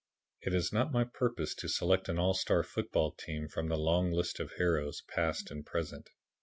It is not my purpose to select an all star football team from the long list of heroes past and present.